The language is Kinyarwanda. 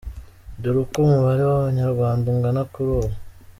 Dore uko umubare w’Abanyarwanda ungana kuri ubu.